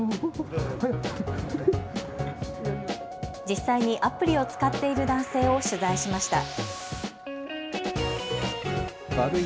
実際にアプリを使っている男性を取材しました。